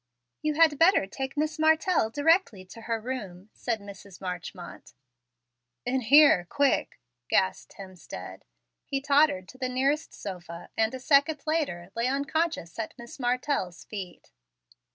"You had better take Miss Martell directly to her room," said Mrs. Marchmont. "In here, quick," gasped Hemstead. He tottered to the nearest sofa, and, a second later, lay unconscious at Miss Martell's feet.